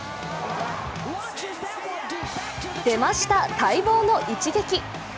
出ました、待望の一撃。